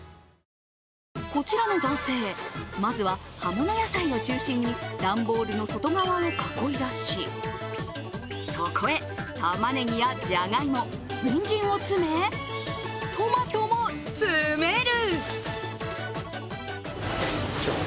こちらの男性、まずは葉物野菜を中心に段ボールの外側を囲いだしそこへ、たまねぎやじゃがいも、にんじんを詰め、トマトも詰める。